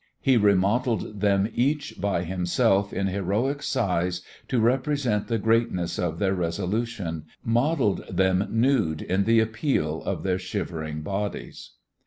He modeled them each by himself in heroic size to represent the greatness of their resolution, modeled them nude in the appeal of their shivering bodies.